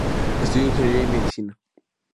Estudió ingeniería y medicina.